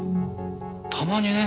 たまにね。